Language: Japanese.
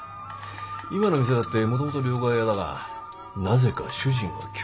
今の店だってもともと両替屋だがなぜか主人が急死してな。